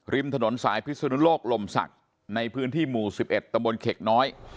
ริมถนนสายพิศนุโลกลมศักดิ์ในพื้นที่หมู่๑๑ตำบลเข็กน้อย